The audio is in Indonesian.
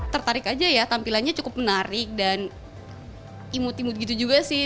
tertarik aja ya tampilannya cukup menarik dan imut imut gitu juga sih